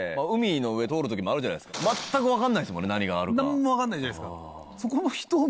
何も分かんないじゃないですか。